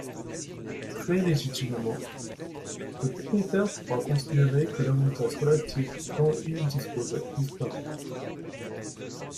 Très légitimement, le propriétaire pourra considérer que l’avantage relatif dont il disposait disparaît.